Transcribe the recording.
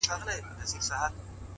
چي يو ځل بيا څوک په واه ـواه سي راته ـ